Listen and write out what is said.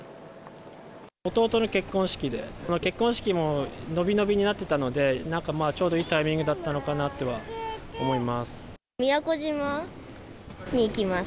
弟の結婚式で、結婚式も延び延びになってたので、なんかまあ、ちょうどいいタイミングだったのかなとは思います。